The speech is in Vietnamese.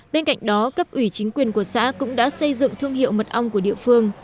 bên cạnh đó cấp ủy chính quyền của xã cũng đã xây dựng thương hiệu mật ong của địa phương